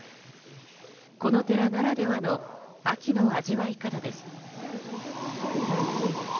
この寺ならではの秋の味わい方です。